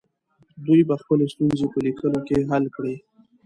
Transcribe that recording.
دوی به خپلې ستونزې په لیکلو کې حل کړي.